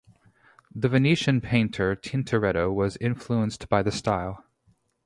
The Venetian painter Tintoretto was influenced by the style.